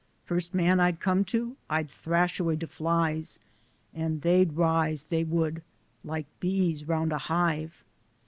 Fust man I'd come to, I'd thrash away de flics, an' dey'd rise, dey would, like bees roun' a hive.